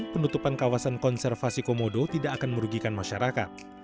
penutupan kawasan konservasi komodo tidak akan merugikan masyarakat